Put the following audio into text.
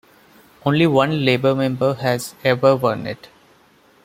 Only one Labor member has ever won it.